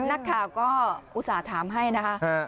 นักข่าวก็อุตส่าห์ถามให้นะคะ